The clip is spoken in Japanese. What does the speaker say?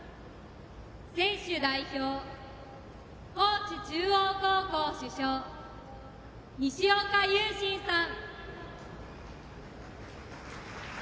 選手代表、高知中央高校主将西岡悠慎さん。